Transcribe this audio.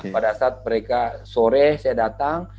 pada saat mereka sore saya datang